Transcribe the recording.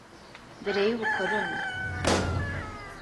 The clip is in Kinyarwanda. mbere y’ubukoloni